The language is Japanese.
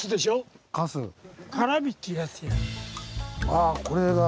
ああこれが。